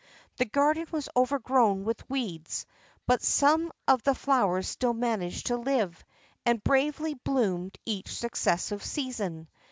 The garden was overgrown with weeds, but some of the flowers still managed to live, and bravely bloomed each successive season.